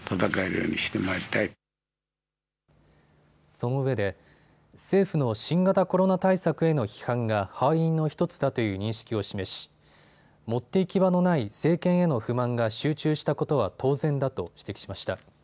そのうえで政府の新型コロナ対策への批判が敗因の１つだという認識を示し持って行き場のない政権への不満が集中したことは当然だと指摘しました。